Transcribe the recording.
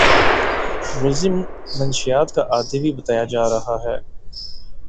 ملزم مشیات کا عادی بھی بتایا جا رہا ہے